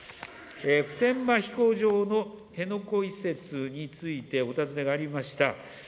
普天間飛行場の辺野古移設についてお尋ねがありました。